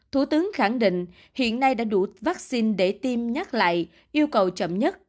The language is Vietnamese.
thủ tướng khẳng định hiện nay đã đủ vaccine để tiêm nhắc lại yêu cầu chậm nhất